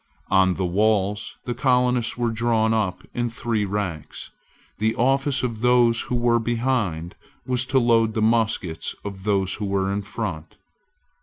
On the walls the colonists were drawn up in three ranks. The office of those who were behind was to load the muskets of those who were in front.